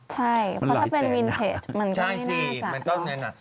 ใช่เพราะถ้าเป็นวินเทจมันก็ไม่น่าจะ